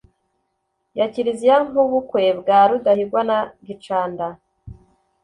ya Kiliziya nk'ubukwe bwa Rudahigwa na Gicanda